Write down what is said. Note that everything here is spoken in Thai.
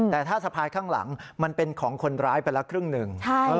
แต่ถ้าสะพายข้างหลังมันเป็นของคนร้ายไปละครึ่งหนึ่ง